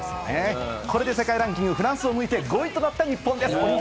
これで世界ランキング、フランスを抜いて、５位となりました。